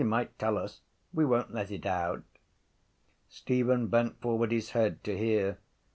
You might tell us. We won’t let it out. Stephen bent forward his head to hear.